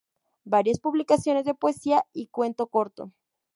Varias publicaciones de poesía y cuento corto.